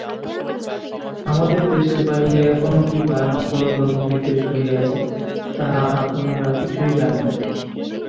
আমাদের দেশের বাহিরে এখনও কি ভয়ানক পরধর্ম-বিদ্বেষ রহিয়াছে, তাহা আপনারা কিছুই জানেন না।